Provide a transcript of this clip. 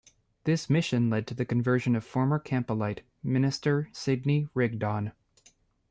This mission led to the conversion of former Campbellite minister Sidney Rigdon.